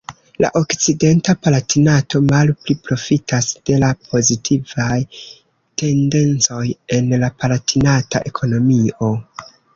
La okcidenta Palatinato malpli profitas de la pozitivaj tendencoj en la Palatinata ekonomio.